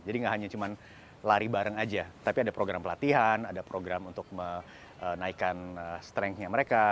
jadi gak hanya cuma lari bareng aja tapi ada program pelatihan ada program untuk menaikkan strength nya mereka